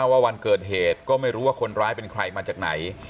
วันเกิดเหตุก็ไม่รู้ว่าคนร้ายเป็นใครมาจากไหน